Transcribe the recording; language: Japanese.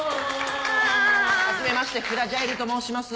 はじめましてフラジャイルと申します。